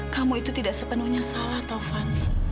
kamu itu tidak sepenuhnya salah tovan